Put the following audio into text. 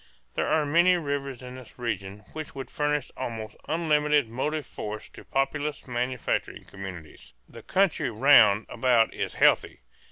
There are many rivers in this region which would furnish almost unlimited motive force to populous manufacturing communities. The country round about is healthy.